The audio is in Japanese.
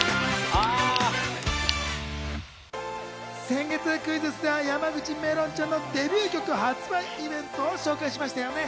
先月、クイズッスでは山口めろんちゃんのデビュー曲発売イベントを紹介しましたよね。